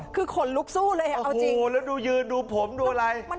คือขนลุกสู้เลยอ่ะเอาจริงโอ้โหแล้วดูยืนดูผมดูอะไร